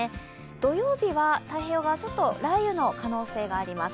土曜日は太平洋側、ちょっと雷雨の可能性があります。